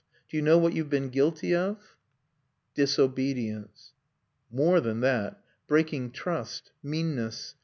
Do you know what you've been guilty of?" "Disobedience." "More than that. Breaking trust. Meanness.